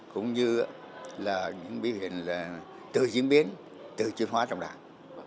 cũng như là những biểu hiện tự diễn biến tự chuyên hóa trong đảng